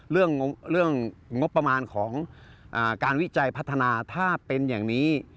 เรื่องงบประมาณของการวิจัยพัฒนาถ้าเป็นอย่างนี้